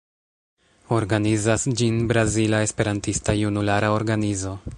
Organizas ĝin Brazila Esperantista Junulara Organizo.